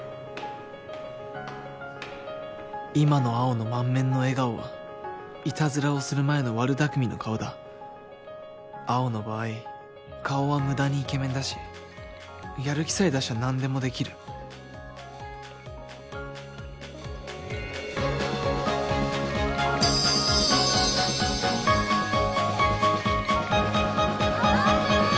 今の青の満面の笑顔はイタズラをする前の悪巧みの顔だ青の場合顔は無駄にイケメンだしやる気さえ出しゃ何でもできる青くん！